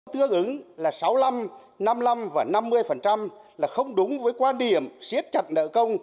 tương ứng là sáu mươi năm năm mươi năm và năm mươi là không đúng với quan điểm siết chặt nợ công